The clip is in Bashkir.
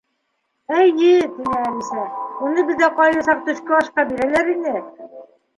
—Эйе, —тине Әлисә, —уны беҙҙә ҡайһы саҡ төшкө ашҡа бирәләр ине.